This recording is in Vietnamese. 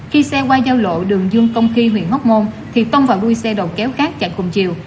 khi xe qua giao lộ đường dương công khi huyện hóc môn thì tông vào đuôi xe đầu kéo khác chặn cùng chiều